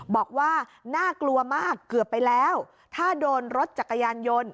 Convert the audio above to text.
บอกว่าน่ากลัวมากเกือบไปแล้วถ้าโดนรถจักรยานยนต์